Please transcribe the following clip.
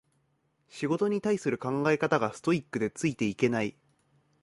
仕事に対する考え方がストイックでついていけない